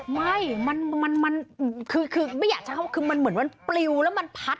ไม่คือไม่อยากจะเข้าคุณมันเหมือนมันปลิวแล้วมันพัด